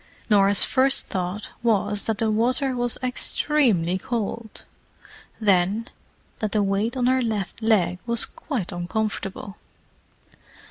Norah's first thought was that the water was extremely cold; then, that the weight on her left leg was quite uncomfortable.